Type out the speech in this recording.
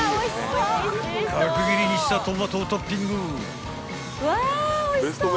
［角切りにしたトマトをトッピング］